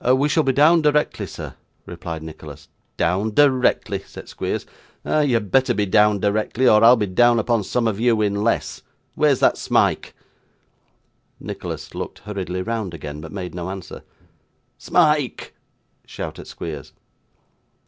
'We shall be down directly, sir,' replied Nicholas. 'Down directly!' said Squeers. 'Ah! you had better be down directly, or I'll be down upon some of you in less. Where's that Smike?' Nicholas looked hurriedly round again, but made no answer. 'Smike!' shouted Squeers.